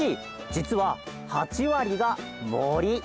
じつは８わりがもり！